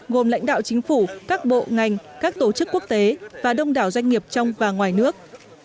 gồm lãnh đạo chính phủ các bộ ngành các tổ chức quốc tế và đông đảo doanh nghiệp trong và ngoài nước